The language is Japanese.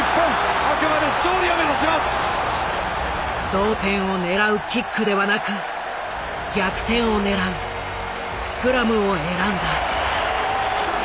同点を狙うキックではなく逆転を狙うスクラムを選んだ。